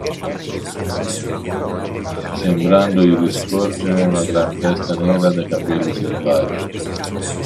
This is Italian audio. Sembrandogli di scorgere una gran testa nera dai capelli selvaggi.